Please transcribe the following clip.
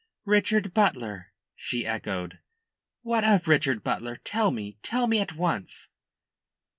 "Richard Butler!" she echoed. "What of Richard Butler? Tell me. Tell me at once."